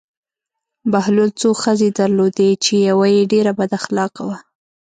بهلول څو ښځې درلودې چې یوه یې ډېره بد اخلاقه وه.